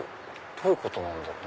どういうことだろう？